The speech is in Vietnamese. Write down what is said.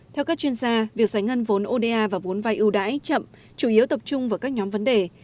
theo các chuyên gia việc giải ngân vốn oda và vốn vai ưu đãi chậm chủ yếu tập trung vào các nhóm vấn đề